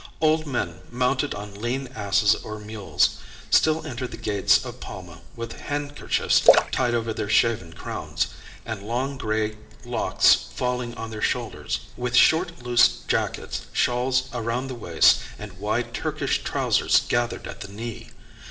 Old men, mounted on lean asses or mules, still enter the gates of Palma, with handkerchiefs tied over their shaven crowns, and long gray locks falling on their shoulders, with short, loose jackets, shawls around the waist, and wide Turkish trousers gathered at the knee.